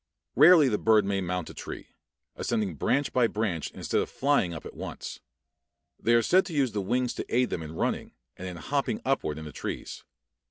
Rarely the bird may mount a tree, ascending branch by branch instead of flying up at once. They are said to use the wings to aid them in running, and in hopping upward in the trees.